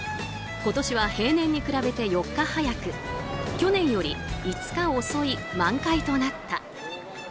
今年は平年に比べて４日早く去年より５日遅い満開となった。